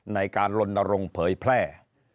ในการลนรงค์เผยแพร่